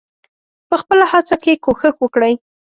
په خپله هڅه کې کوښښ وکړئ.